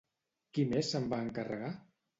Qui més se'n va encarregar?